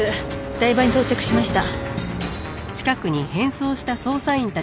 台場に到着しました。